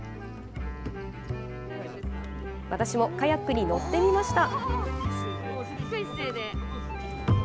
私もカヤックに乗ってみました。